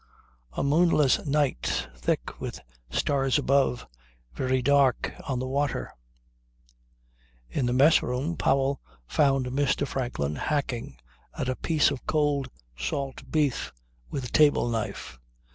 .. A MOONLESS NIGHT, THICK WITH STARS ABOVE, VERY DARK ON THE WATER In the mess room Powell found Mr. Franklin hacking at a piece of cold salt beef with a table knife.